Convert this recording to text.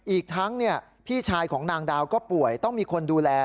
อีกทั้งพี่ชายของนางดาวก็ป่วยต้องมีคนดูแล